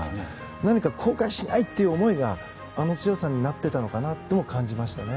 何か後悔しないという思いがあの強さになっていたのかなと感じましたね。